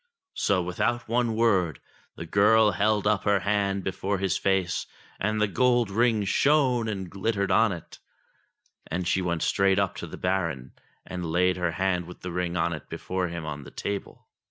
So, without one word, the girl held up her hand before his face and the gold ring shone and glittered on it ; and she went straight up to the Baron, and laid her hand with the ring on it before him on the table.